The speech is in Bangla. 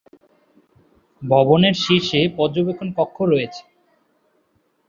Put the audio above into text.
ভবনের শীর্ষে পর্যবেক্ষণ কক্ষ রয়েছে।